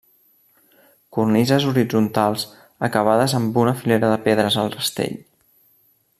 Cornises horitzontals acabades amb una filera de pedres al rastell.